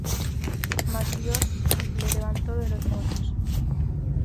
Mas Dios le levantó de los muertos.